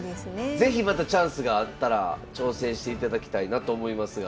是非またチャンスがあったら挑戦していただきたいなと思いますが。